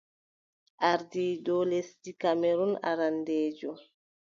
Ardiiɗo lesdi Kamerun arandeejo.